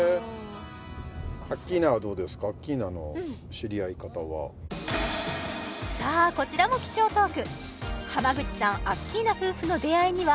アッキーナはどうですかアッキーナの知り合い方はさあこちらも貴重トーク